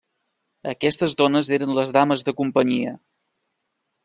Aquestes dones eren les Dames de Companyia.